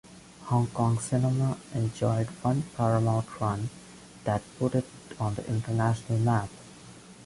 Hong Kong's Cinema enjoyed one paramount run that put it on the international map.